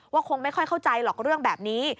คงไม่ค่อยเข้าใจหรอกเรื่องแบบนี้